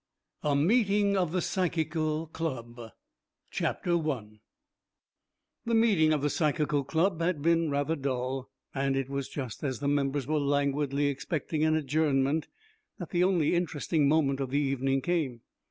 A MEETING OF THE PSYCHICAL CLUB I The meeting of the Psychical Club had been rather dull, and it was just as the members were languidly expecting an adjournment that the only interesting moment of the evening came.